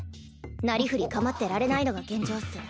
なりふり構ってられないのが現状っス。